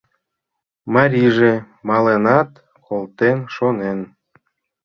Марийже маленат колтен шонен.